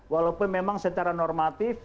walaupun memang secara normatif